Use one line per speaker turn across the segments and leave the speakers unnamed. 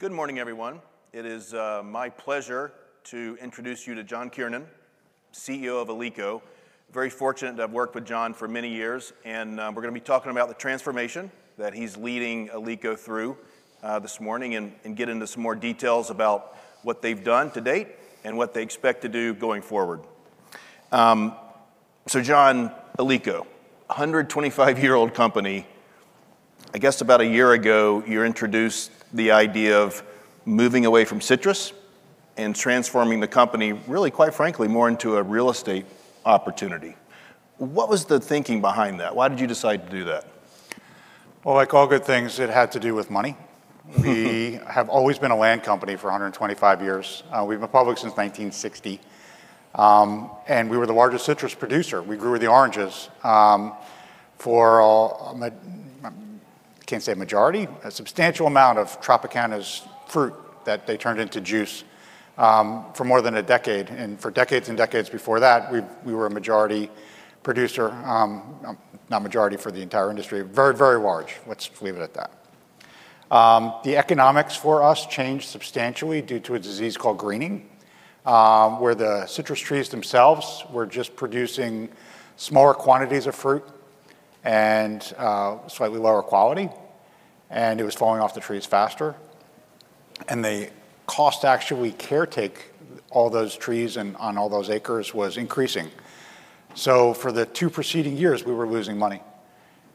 Good morning, everyone. It is my pleasure to introduce you to John Kiernan, CEO of Alico. Very fortunate to have worked with John for many years, and we're going to be talking about the transformation that he's leading Alico through this morning and get into some more details about what they've done to date and what they expect to do going forward. So, John, Alico, 125-year-old company. I guess about a year ago, you introduced the idea of moving away from citrus and transforming the company, really, quite frankly, more into a real estate opportunity. What was the thinking behind that? Why did you decide to do that?
Well, like all good things, it had to do with money. We have always been a land company for 125 years. We've been public since 1960, and we were the largest citrus producer. We grew the oranges for, I can't say a majority, a substantial amount of Tropicana's fruit that they turned into juice for more than a decade. And for decades and decades before that, we were a majority producer, not majority for the entire industry, very, very large. Let's leave it at that. The economics for us changed substantially due to a disease called greening, where the citrus trees themselves were just producing smaller quantities of fruit and slightly lower quality, and it was falling off the trees faster. And the cost actually to caretake all those trees and on all those acres was increasing. So, for the two preceding years, we were losing money.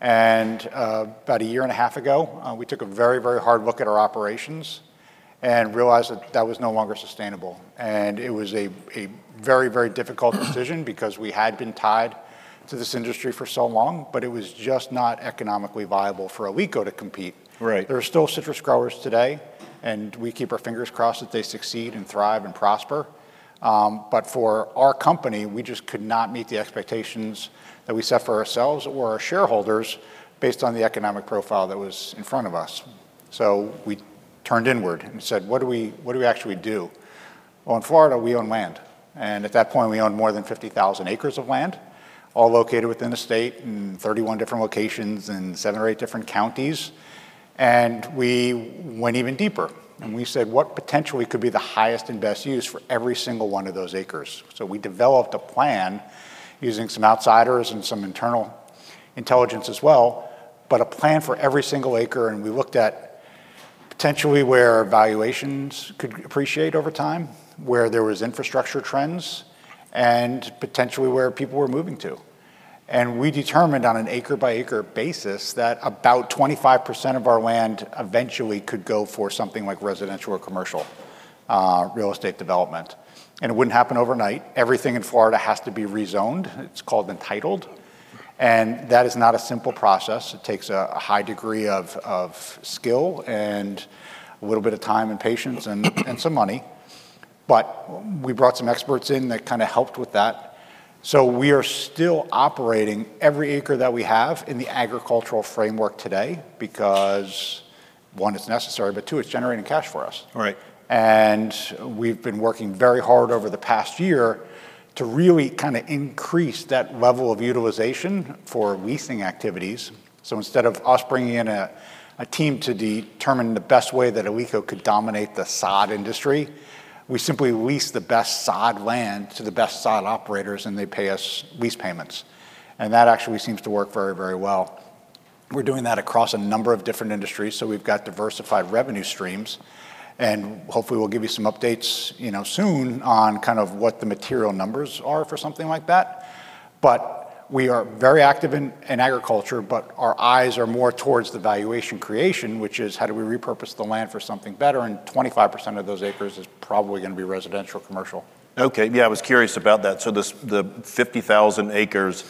About a year and a half ago, we took a very, very hard look at our operations and realized that that was no longer sustainable. It was a very, very difficult decision because we had been tied to this industry for so long, but it was just not economically viable for Alico to compete. There are still citrus growers today, and we keep our fingers crossed that they succeed and thrive and prosper. For our company, we just could not meet the expectations that we set for ourselves or our shareholders based on the economic profile that was in front of us. We turned inward and said, what do we actually do? In Florida, we own land. At that point, we owned more than 50,000 acres of land, all located within the state in 31 different locations in seven or eight different counties. And we went even deeper, and we said, what potentially could be the highest and best use for every single one of those acres? So, we developed a plan using some outsiders and some internal intelligence as well, but a plan for every single acre. And we looked at potentially where valuations could appreciate over time, where there were infrastructure trends, and potentially where people were moving to. And we determined on an acre-by-acre basis that about 25% of our land eventually could go for something like residential or commercial real estate development. And it wouldn't happen overnight. Everything in Florida has to be rezoned. It's called entitled, and that is not a simple process. It takes a high degree of skill and a little bit of time and patience and some money. But we brought some experts in that kind of helped with that. So, we are still operating every acre that we have in the agricultural framework today because, one, it's necessary, but two, it's generating cash for us. And we've been working very hard over the past year to really kind of increase that level of utilization for leasing activities. So, instead of us bringing in a team to determine the best way that Alico could dominate the sod industry, we simply lease the best sod land to the best sod operators, and they pay us lease payments. And that actually seems to work very, very well. We're doing that across a number of different industries. So, we've got diversified revenue streams, and hopefully, we'll give you some updates soon on kind of what the material numbers are for something like that. But we are very active in agriculture, but our eyes are more towards the value creation, which is how do we repurpose the land for something better. And 25% of those acres is probably going to be residential, commercial.
Okay. Yeah, I was curious about that. So, the 50,000 acres,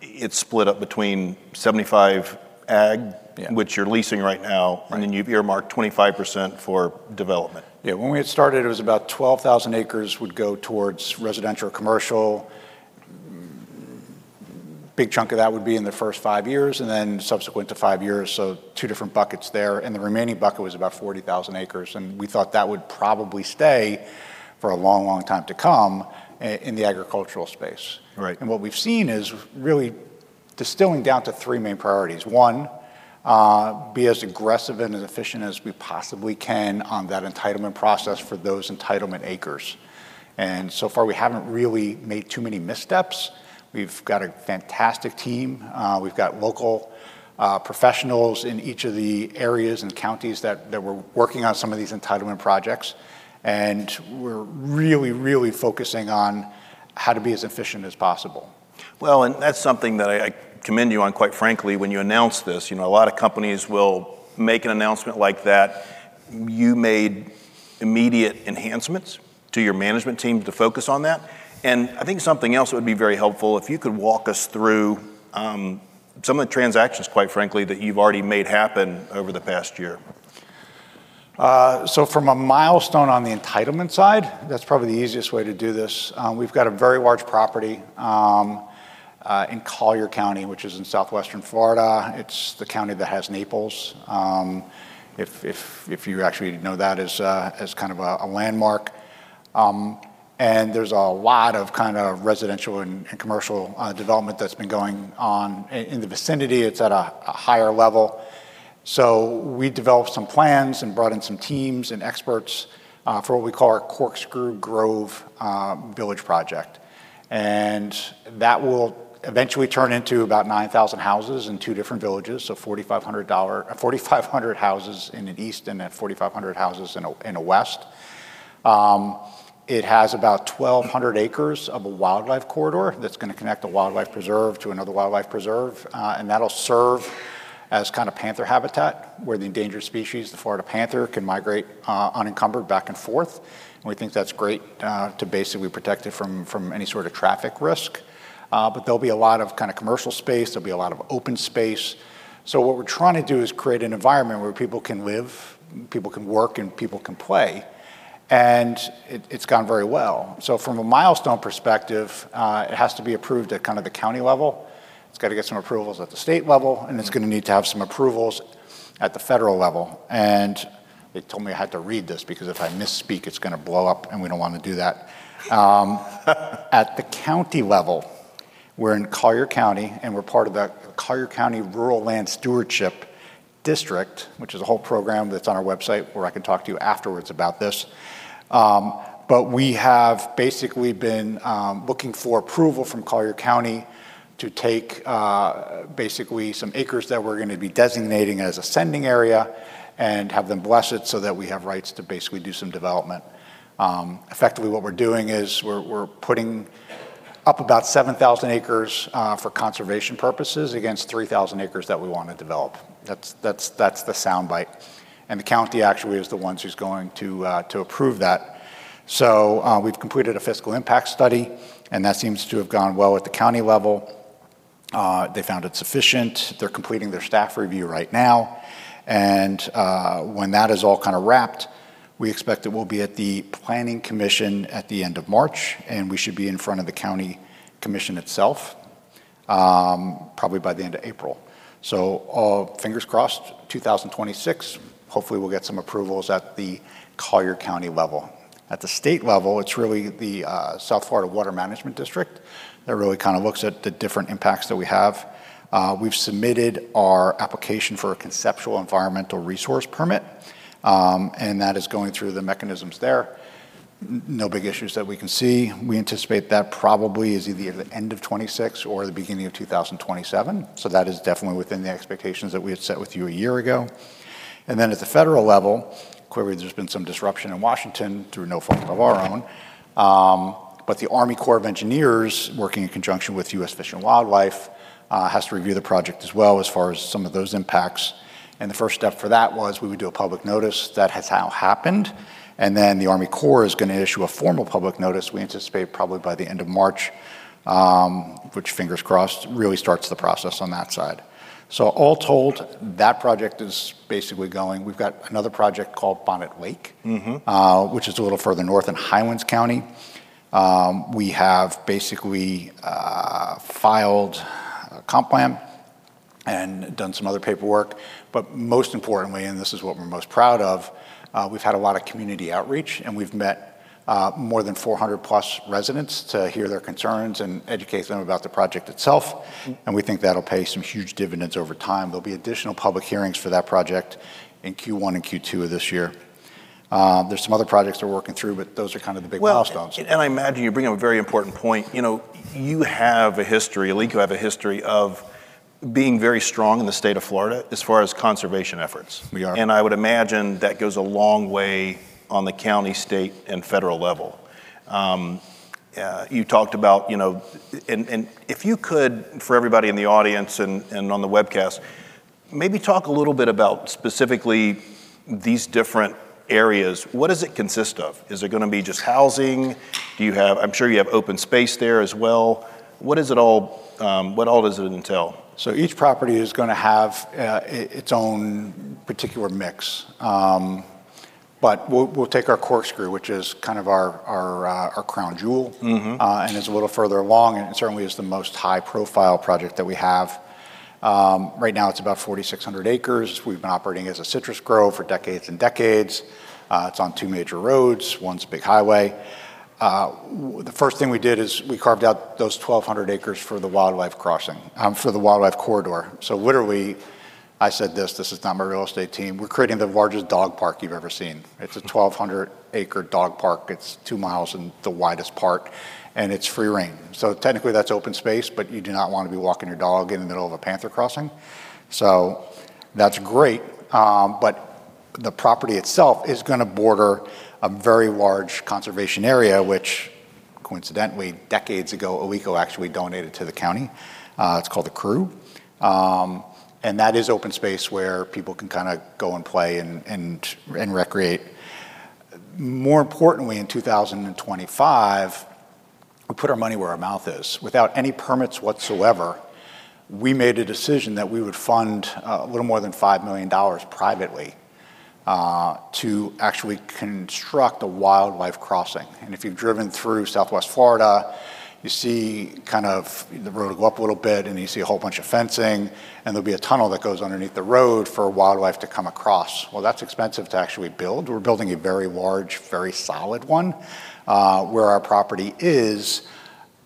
it's split up between 75 ag, which you're leasing right now, and then you've earmarked 25% for development.
Yeah. When we had started, it was about 12,000 acres would go towards residential, commercial. A big chunk of that would be in the first five years and then subsequent to five years. So, two different buckets there. And the remaining bucket was about 40,000 acres. And we thought that would probably stay for a long, long time to come in the agricultural space. And what we've seen is really distilling down to three main priorities. One, be as aggressive and as efficient as we possibly can on that entitlement process for those entitlement acres. And so far, we haven't really made too many missteps. We've got a fantastic team. We've got local professionals in each of the areas and counties that were working on some of these entitlement projects. And we're really, really focusing on how to be as efficient as possible.
Well, and that's something that I commend you on, quite frankly, when you announced this. A lot of companies will make an announcement like that. You made immediate enhancements to your management team to focus on that. And I think something else that would be very helpful, if you could walk us through some of the transactions, quite frankly, that you've already made happen over the past year.
So, from a milestone on the entitlement side, that's probably the easiest way to do this. We've got a very large property in Collier County, which is in Southwestern Florida. It's the county that has Naples, if you actually know that as kind of a landmark. And there's a lot of kind of residential and commercial development that's been going on in the vicinity. It's at a higher level. So, we developed some plans and brought in some teams and experts for what we call our Corkscrew Grove Village Project. And that will eventually turn into about 9,000 houses in two different villages, so 4,500 houses in an east and 4,500 houses in a west. It has about 1,200 acres of a wildlife corridor that's going to connect a wildlife preserve to another wildlife preserve. And that'll serve as kind of panther habitat where the endangered species, the Florida panther, can migrate unencumbered back and forth. And we think that's great to basically protect it from any sort of traffic risk. But there'll be a lot of kind of commercial space. There'll be a lot of open space. So, what we're trying to do is create an environment where people can live, people can work, and people can play. And it's gone very well. So, from a milestone perspective, it has to be approved at kind of the county level. It's got to get some approvals at the state level, and it's going to need to have some approvals at the federal level. And they told me I had to read this because if I misspeak, it's going to blow up, and we don't want to do that. At the county level, we're in Collier County, and we're part of the Collier County Rural Land Stewardship District, which is a whole program that's on our website where I can talk to you afterwards about this, but we have basically been looking for approval from Collier County to take basically some acres that we're going to be designating as a sending area and have them bless it so that we have rights to basically do some development. Effectively, what we're doing is we're putting up about 7,000 acres for conservation purposes against 3,000 acres that we want to develop. That's the sound bite, and the county actually is the one who's going to approve that, so we've completed a fiscal impact study, and that seems to have gone well at the county level. They found it sufficient. They're completing their staff review right now. And when that is all kind of wrapped, we expect that we'll be at the Planning Commission at the end of March, and we should be in front of the County Commission itself probably by the end of April. So, fingers crossed, 2026, hopefully, we'll get some approvals at the Collier County level. At the state level, it's really the South Florida Water Management District that really kind of looks at the different impacts that we have. We've submitted our application for a Conceptual Environmental Resource Permit, and that is going through the mechanisms there. No big issues that we can see. We anticipate that probably is either the end of 2026 or the beginning of 2027. So, that is definitely within the expectations that we had set with you a year ago. And then at the federal level, clearly, there's been some disruption in Washington through no fault of our own. But the Army Corps of Engineers, working in conjunction with U.S. Fish and Wildlife, has to review the project as well as far as some of those impacts. And the first step for that was we would do a public notice. That has now happened. And then the Army Corps is going to issue a formal public notice. We anticipate probably by the end of March, which, fingers crossed, really starts the process on that side. So, all told, that project is basically going. We've got another project called Bonnet Lake, which is a little further north in Highlands County. We have basically filed a comp plan and done some other paperwork. Most importantly, and this is what we're most proud of, we've had a lot of community outreach, and we've met more than 400-plus residents to hear their concerns and educate them about the project itself. We think that'll pay some huge dividends over time. There'll be additional public hearings for that project in Q1 and Q2 of this year. There's some other projects we're working through, but those are kind of the big milestones.
Well, and I imagine you're bringing up a very important point. You have a history, Alico, of being very strong in the state of Florida as far as conservation efforts.
We are.
I would imagine that goes a long way on the county, state, and federal level. You talked about, and if you could, for everybody in the audience and on the webcast, maybe talk a little bit about specifically these different areas. What does it consist of? Is it going to be just housing? Do you have, I'm sure you have open space there as well. What is it all, what all does it entail?
Each property is going to have its own particular mix. But we'll take our Corkscrew, which is kind of our crown jewel and is a little further along and certainly is the most high-profile project that we have. Right now, it's about 4,600 acres. We've been operating as a citrus grove for decades and decades. It's on two major roads. One's a big highway. The first thing we did is we carved out those 1,200 acres for the wildlife crossing, for the wildlife corridor. So, literally, I said this, this is not my real estate team. We're creating the largest dog park you've ever seen. It's a 1,200-acre dog park. It's two miles in the widest part, and it's free rein. So, technically, that's open space, but you do not want to be walking your dog in the middle of a panther crossing. So, that's great. But the property itself is going to border a very large conservation area, which, coincidentally, decades ago, Alico actually donated to the county. It's called the CREW. And that is open space where people can kind of go and play and recreate. More importantly, in 2025, we put our money where our mouth is. Without any permits whatsoever, we made a decision that we would fund a little more than $5 million privately to actually construct a wildlife crossing. And if you've driven through southwest Florida, you see kind of the road go up a little bit, and you see a whole bunch of fencing, and there'll be a tunnel that goes underneath the road for wildlife to come across. Well, that's expensive to actually build. We're building a very large, very solid one where our property is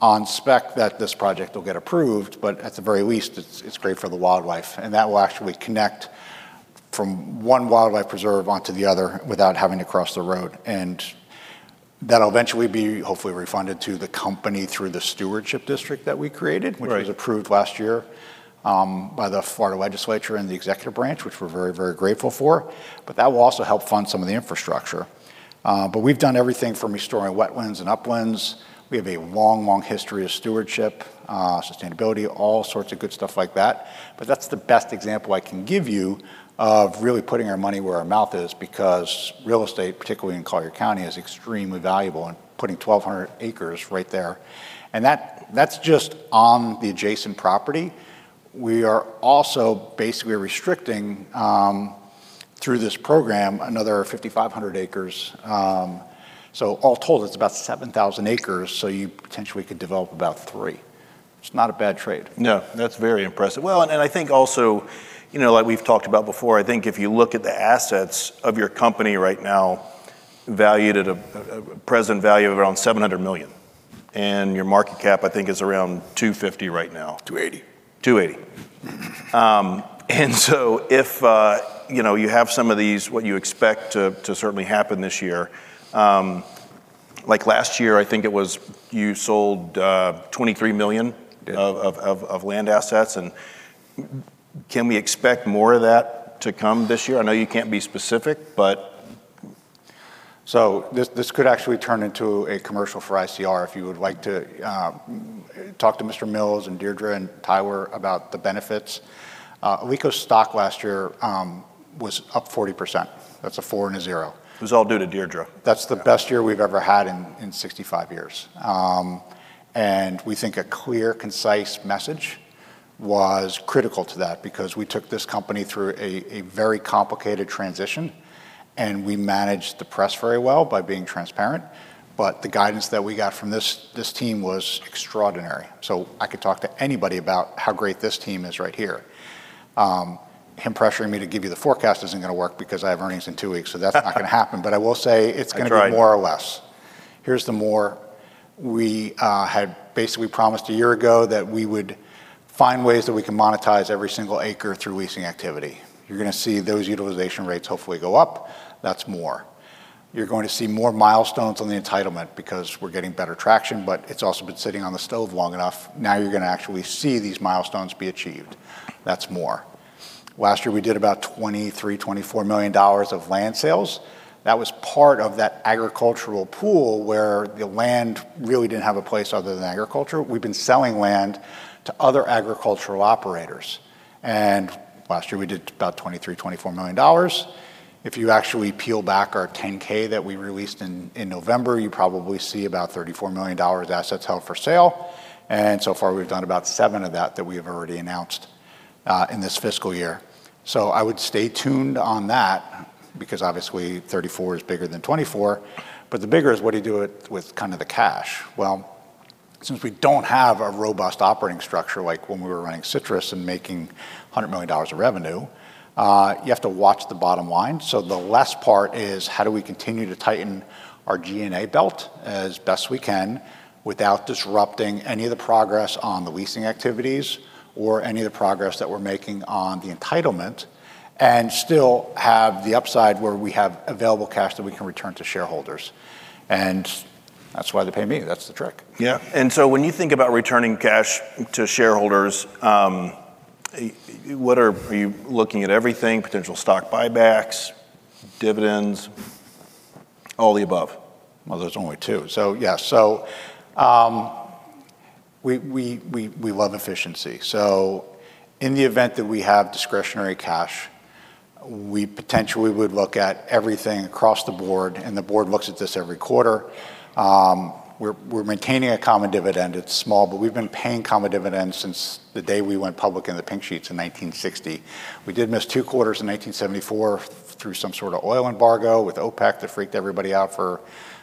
on spec that this project will get approved. But at the very least, it's great for the wildlife. And that will actually connect from one wildlife preserve onto the other without having to cross the road. And that'll eventually be hopefully refunded to the company through the Stewardship District that we created, which was approved last year by the Florida Legislature and the executive branch, which we're very, very grateful for. But that will also help fund some of the infrastructure. But we've done everything from restoring wetlands and uplands. We have a long, long history of stewardship, sustainability, all sorts of good stuff like that. But that's the best example I can give you of really putting our money where our mouth is because real estate, particularly in Collier County, is extremely valuable in putting 1,200 acres right there. And that's just on the adjacent property. We are also basically restricting through this program another 5,500 acres. All told, it's about 7,000 acres. You potentially could develop about three. It's not a bad trade.
No, that's very impressive. Well, and I think also, like we've talked about before, I think if you look at the assets of your company right now, valued at a present value of around $700 million. And your market cap, I think, is around $250 million right now.
280.
And so, if you have some of these, what you expect to certainly happen this year, like last year, I think it was you sold $23 million of land assets. And can we expect more of that to come this year? I know you can't be specific, but.
So, this could actually turn into a commercial for ICR if you would like to talk to Mr. Mills and Deirdre and Tyler about the benefits. Alico's stock last year was up 40%. That's a four and a zero.
It was all due to Deirdre.
That's the best year we've ever had in 65 years. And we think a clear, concise message was critical to that because we took this company through a very complicated transition, and we managed the press very well by being transparent. But the guidance that we got from this team was extraordinary. So, I could talk to anybody about how great this team is right here. Him pressuring me to give you the forecast isn't going to work because I have earnings in two weeks, so that's not going to happen. But I will say it's going to be more or less. Here's the more. We had basically promised a year ago that we would find ways that we can monetize every single acre through leasing activity. You're going to see those utilization rates hopefully go up. That's more. You're going to see more milestones on the entitlement because we're getting better traction, but it's also been sitting on the stove long enough. Now you're going to actually see these milestones be achieved. That's more. Last year, we did about $23-$24 million of land sales. That was part of that agricultural pool where the land really didn't have a place other than agriculture. We've been selling land to other agricultural operators, and last year, we did about $23-$24 million. If you actually peel back our 10-K that we released in November, you probably see about $34 million of assets held for sale. And so far, we've done about seven of that that we have already announced in this fiscal year. So, I would stay tuned on that because obviously 34 is bigger than 24. But the bigger is what do you do with kind of the cash? Well, since we don't have a robust operating structure like when we were running citrus and making $100 million of revenue, you have to watch the bottom line. So, the less part is how do we continue to tighten our G&A belt as best we can without disrupting any of the progress on the leasing activities or any of the progress that we're making on the entitlement and still have the upside where we have available cash that we can return to shareholders. And that's why they pay me. That's the trick.
Yeah. And so, when you think about returning cash to shareholders, what are you looking at? Everything? Potential stock buybacks? Dividends? All the above?
Well, there's only two. So, yeah. So, we love efficiency. So, in the event that we have discretionary cash, we potentially would look at everything across the board, and the board looks at this every quarter. We're maintaining a common dividend. It's small, but we've been paying common dividends since the day we went public in the Pink Sheets in 1960. We did miss two quarters in 1974 through some sort of oil embargo with OPEC that freaked everybody out for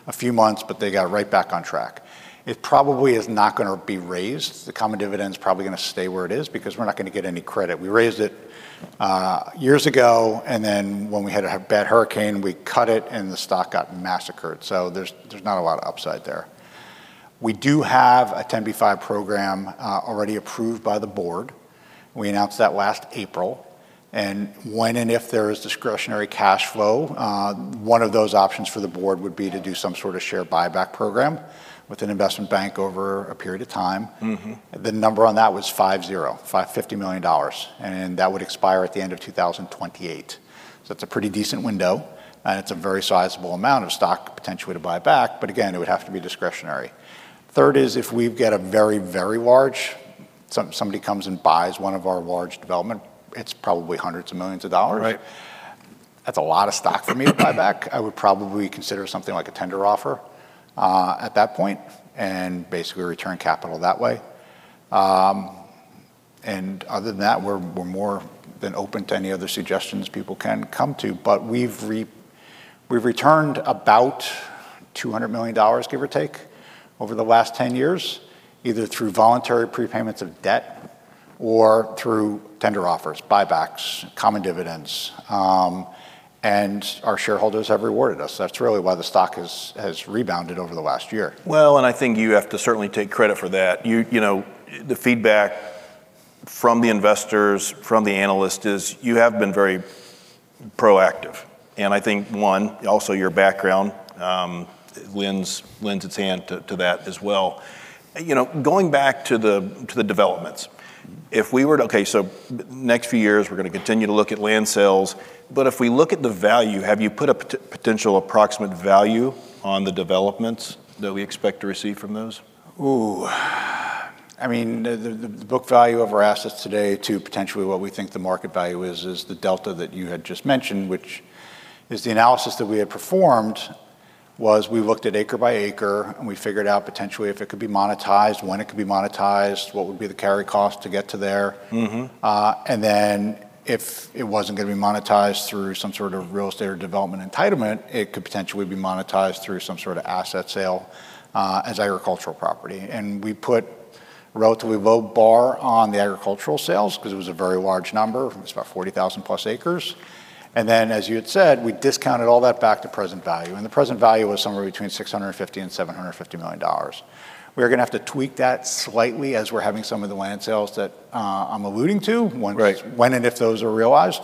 a few months, but they got right back on track. It probably is not going to be raised. The common dividend is probably going to stay where it is because we're not going to get any credit. We raised it years ago, and then when we had a bad hurricane, we cut it, and the stock got massacred. So, there's not a lot of upside there. We do have a 10b-5 program already approved by the board. We announced that last April. And when and if there is discretionary cash flow, one of those options for the board would be to do some sort of share buyback program with an investment bank over a period of time. The number on that was $50 million, and that would expire at the end of 2028. So, that's a pretty decent window, and it's a very sizable amount of stock potentially to buy back. But again, it would have to be discretionary. Third is if we get a very, very large, somebody comes and buys one of our large developments, it's probably hundreds of millions of dollars. That's a lot of stock for me to buy back. I would probably consider something like a tender offer at that point and basically return capital that way. And other than that, we're more than open to any other suggestions people can come to. But we've returned about $200 million, give or take, over the last 10 years, either through voluntary prepayments of debt or through tender offers, buybacks, common dividends. And our shareholders have rewarded us. That's really why the stock has rebounded over the last year.
Well, and I think you have to certainly take credit for that. The feedback from the investors, from the analysts, is you have been very proactive. And I think, one, also your background lends its hand to that as well. Going back to the developments, okay, so next few years, we're going to continue to look at land sales. But if we look at the value, have you put a potential approximate value on the developments that we expect to receive from those?
Ooh. I mean, the book value of our assets today to potentially what we think the market value is is the delta that you had just mentioned, which is the analysis that we had performed was we looked at acre by acre, and we figured out potentially if it could be monetized, when it could be monetized, what would be the carry cost to get to there. And then if it wasn't going to be monetized through some sort of real estate or development entitlement, it could potentially be monetized through some sort of asset sale as agricultural property. And we put a relatively low bar on the agricultural sales because it was a very large number. It was about 40,000 plus acres. And then, as you had said, we discounted all that back to present value. And the present value was somewhere between $650 and $750 million. We are going to have to tweak that slightly as we're having some of the land sales that I'm alluding to, when and if those are realized,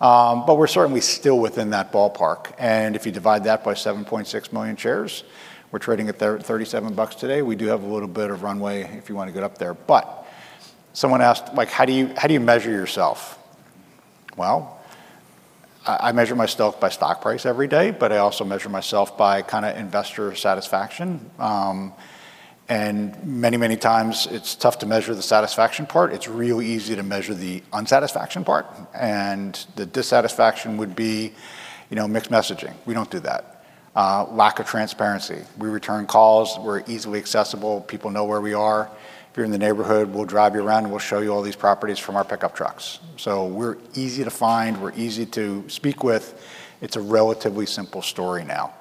but we're certainly still within that ballpark, and if you divide that by 7.6 million shares, we're trading at $37 today. We do have a little bit of runway if you want to get up there, but someone asked, like, how do you measure yourself? Well, I measure my stock by stock price every day, but I also measure myself by kind of investor satisfaction. And many, many times, it's tough to measure the satisfaction part. It's real easy to measure the unsatisfaction part. And the dissatisfaction would be mixed messaging. We don't do that. Lack of transparency. We return calls. We're easily accessible. People know where we are. If you're in the neighborhood, we'll drive you around and we'll show you all these properties from our pickup trucks. So, we're easy to find. We're easy to speak with. It's a relatively simple story now.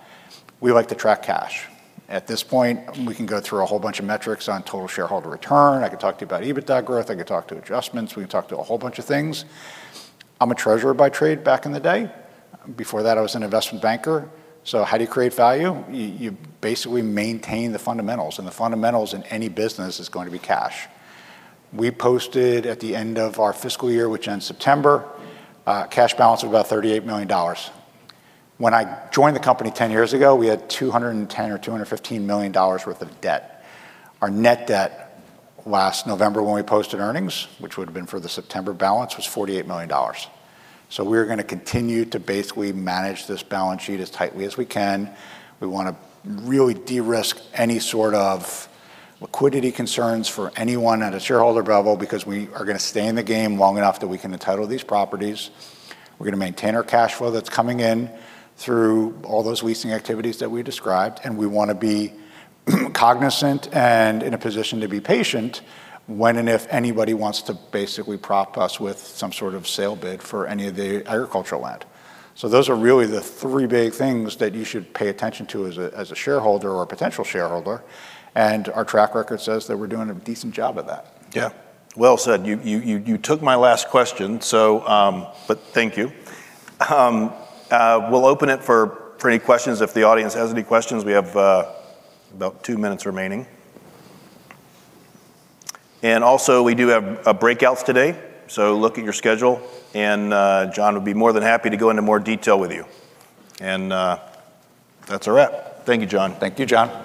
We like to track cash. At this point, we can go through a whole bunch of metrics on total shareholder return. I could talk to you about EBITDA growth. I could talk to adjustments. We can talk to a whole bunch of things. I'm a treasurer by trade back in the day. Before that, I was an investment banker. So, how do you create value? You basically maintain the fundamentals. And the fundamentals in any business is going to be cash. We posted at the end of our fiscal year, which ends September, cash balance of about $38 million. When I joined the company 10 years ago, we had $210 million or $215 million worth of debt. Our net debt last November when we posted earnings, which would have been for the September balance, was $48 million, so we are going to continue to basically manage this balance sheet as tightly as we can. We want to really de-risk any sort of liquidity concerns for anyone at a shareholder level because we are going to stay in the game long enough that we can entitle these properties. We're going to maintain our cash flow that's coming in through all those leasing activities that we described, and we want to be cognizant and in a position to be patient when and if anybody wants to basically prop us with some sort of sale bid for any of the agricultural land. Those are really the three big things that you should pay attention to as a shareholder or a potential shareholder. Our track record says that we're doing a decent job of that.
Yeah. Well said. You took my last question. So, but thank you. We'll open it for any questions. If the audience has any questions, we have about two minutes remaining. And also, we do have breakouts today. So, look at your schedule, and John would be more than happy to go into more detail with you. And that's a wrap. Thank you, John.
Thank you, John.